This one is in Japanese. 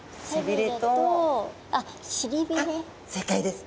正解です。